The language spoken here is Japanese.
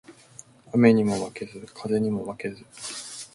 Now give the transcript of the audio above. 雨ニモ負ケズ、風ニモ負ケズ